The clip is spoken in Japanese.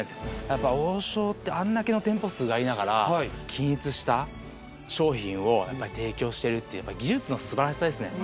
やっぱ王将ってあんだけの店舗数がありながら均一した商品をやっぱり提供してるっていう技術の素晴らしさですね